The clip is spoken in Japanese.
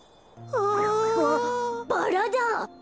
わあっバラだ！